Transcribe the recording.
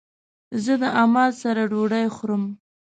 زه د عماد سره ډوډی خورم